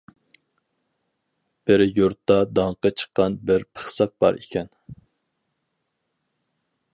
بىر يۇرتتا داڭقى چىققان بىر پىخسىق بار ئىكەن.